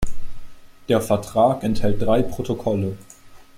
Der Vertrag enthält drei Protokolle.